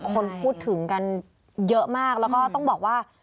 คนพูดถึงกันเยอะมากแล้วก็ต้องบอกว่า